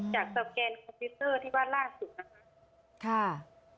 จากสาวแกนคอมพิวเตอร์ที่ว่าล่าสุดนะคะค่ะ